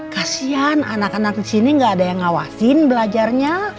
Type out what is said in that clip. kasian anak anak di sini gak ada yang ngawasin belajarnya